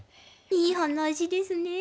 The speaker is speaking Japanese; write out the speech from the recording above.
いい話ですねえ。